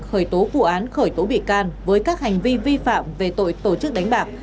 khởi tố vụ án khởi tố bị can với các hành vi vi phạm về tội tổ chức đánh bạc